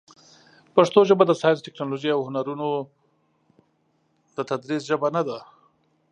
پښتو ژبه د ساینس، ټکنالوژۍ، او هنرونو د تدریس ژبه نه ده.